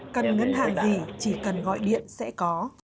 cần ngân hàng ỉ chỉ cần gọi điện sẽ có